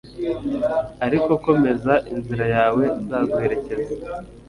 Ariko komeza inzira yawe nzaguherekeza